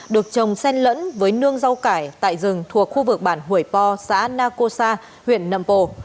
được trồng sen lẫn với nương rau cải tại rừng thuộc khu vực bản hủy po xã na cô sa huyện nậm cồ